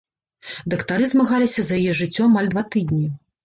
Дактары змагаліся за яе жыццё амаль два тыдні.